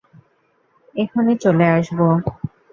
এখনি চলে আসবো।